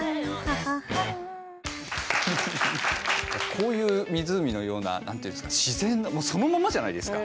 こういう湖のような何て言うんですか自然のそのままじゃないですか。